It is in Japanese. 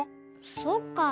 そっか。